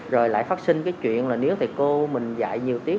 rồi lại phát sinh cái chuyện là nếu thầy cô mình dạy nhiều tiết